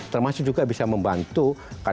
termasuk juga bisa membantu kadang kadang pdi perjuangan